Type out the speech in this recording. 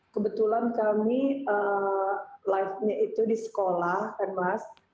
kebetulan kami live nya itu di sekolah kan mas